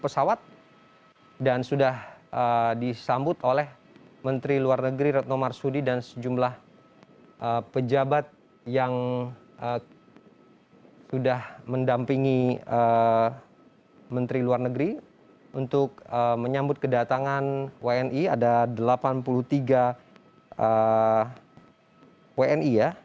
hanya menteri luar negeri retno marsudi yang tampak di sana untuk menunggu kedatangan para wni